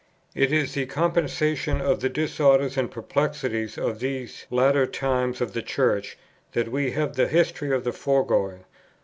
_ It is the compensation of the disorders and perplexities of these latter times of the Church that we have the history of the foregoing.